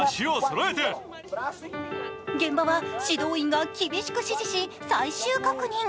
現場は指導員が厳しく指示し、最終確認。